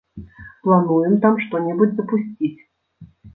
Плануем там што-небудзь запусціць.